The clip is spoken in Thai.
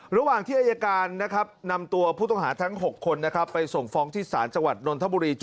ระหว่างที่อายการนะครับนำตัวผู้ต้องหาทั้ง๖คนไปส่งฟ้องที่ศาลจังหวัดนนทบุรี